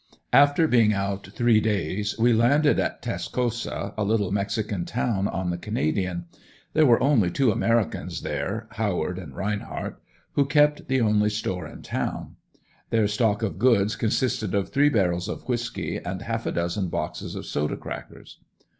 After being out three days we landed in Tascosa, a little mexican town on the Canadian. There were only two americans there, Howard & Reinheart, who kept the only store in town. Their stock of goods consisted of three barrels of whisky and half a dozen boxes of soda crackers.